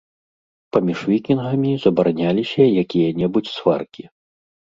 Паміж вікінгамі забараняліся якія-небудзь сваркі.